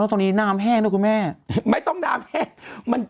ตรงนี้น้ำแห้งนะคุณแม่ไม่ต้องน้ำแห้ง